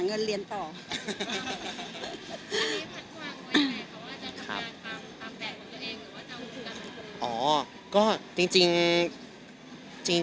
สงสัยพัดออกมาหาเงินเรียนต่อ